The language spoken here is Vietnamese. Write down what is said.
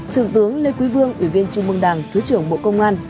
thượng tướng lê quý vương ủy viên trung mương đảng thứ trưởng bộ công an